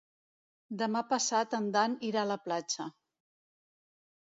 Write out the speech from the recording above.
Demà passat en Dan irà a la platja.